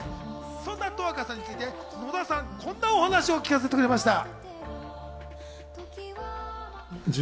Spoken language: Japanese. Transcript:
そんな十明さんについて野田さん、こんなお話を聞かせてくれました。